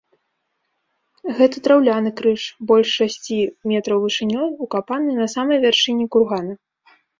Гэта драўляны крыж, больш шасці метраў вышынёй, укапаны на самай вяршыні кургана.